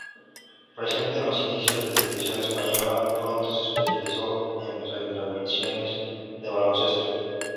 Presente en los inicios de Televisión española, pronto se especializó en retransmisiones de baloncesto.